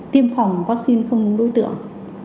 tiêm phòng vaccine không đúng đối tượng